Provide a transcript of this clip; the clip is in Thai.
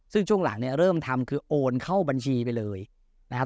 ซึ่งช่วงหลังเนี่ยเริ่มทำคือโอนเข้าบัญชีไปเลยนะครับ